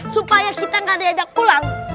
supaya kita gak diajak pulang